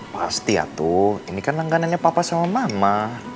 pasti ya tuh ini kan langganannya papa sama mama